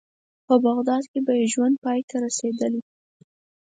په بغداد کې به یې ژوند پای ته رسېدلی.